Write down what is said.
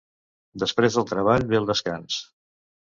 Després del treball ve el descans.